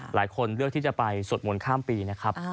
หลายคนเลือกที่จะไปสวดมนต์ข้ามปีนะครับ